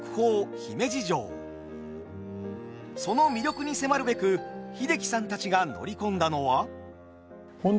その魅力に迫るべく英樹さんたちが乗り込んだのは。